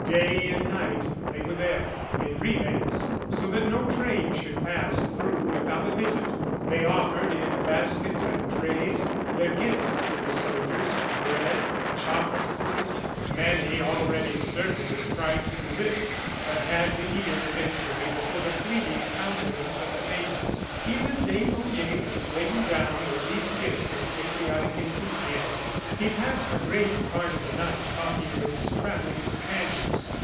Day and night they were there, in relays, so that no train should pass through without a visit. They offered, in baskets and trays, their gifts to the soldiers bread, chocolate, fruit. Many, already surfeited, tried to resist, but had to yield eventually before the pleading countenance of the maidens. Even Desnoyers was laden down with these gifts of patriotic enthusiasm. He passed a great part of the night talking with his travelling companions.